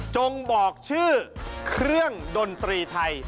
บอกชื่อเครื่องดนตรีไทย